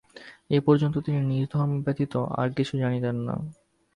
এ পর্যন্ত তিনি নিজের ধর্ম ব্যতীত আর কিছু জানিতেন না।